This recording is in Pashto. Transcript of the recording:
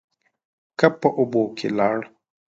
کب په اوبو کې لاړ.